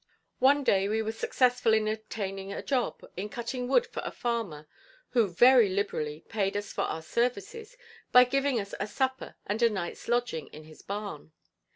One day we were successful in obtaining a job in cutting wood for a farmer who very liberally paid us for our services by giving us a supper and a night's lodging in his barn.